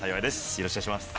よろしくお願いします。